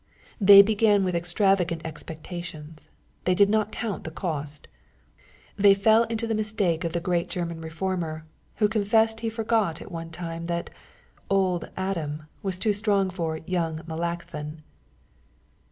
They began with extravagant expectations. They did not count the cost. They fell into the mistake of the great German Eeformer, who confessed he forgot at one time, that " old Adam was too strong for young Melancthon."